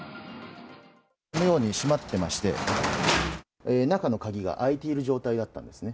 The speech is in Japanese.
このように閉まってまして、中の鍵が開いている状態だったんですね。